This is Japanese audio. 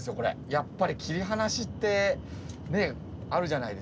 やっぱり切り離しってあるじゃないですか。